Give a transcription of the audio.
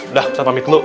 udah ustadz pamit dulu